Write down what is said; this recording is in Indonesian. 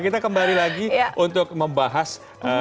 kita kembali lagi untuk membahas